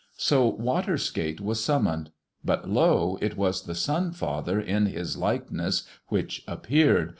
So Water skate was summoned. But lo! It was the Sun father in his likeness which appeared.